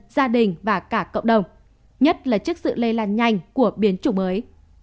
gia đình và cả cộng đồng nhất là trước sự lây lan nhanh của biến chủng mới